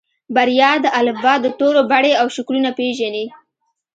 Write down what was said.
بريا د الفبا د تورو بڼې او شکلونه پېژني.